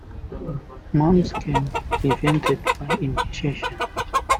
Mumps can be prevented by immunization.